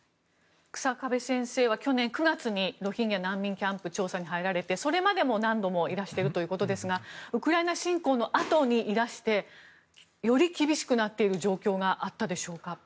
日下部先生は去年９月にロヒンギャ難民キャンプに調査に入られてそれまでも何度もいらしているということですがウクライナ侵攻のあとにいらしてより厳しくなっている状況があったでしょうか？